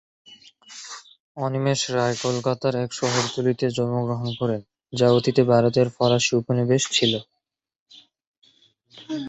অনিমেষ রায় কলকাতার এক শহরতলিতে জন্মগ্রহণ করেন, যা অতীতে ভারতের ফরাসি উপনিবেশ ছিল।